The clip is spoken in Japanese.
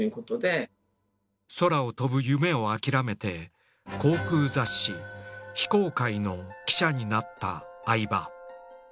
空を飛ぶ夢を諦めて航空雑誌「飛行界」の記者になった相羽。